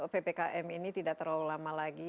ppkm ini tidak terlalu lama lagi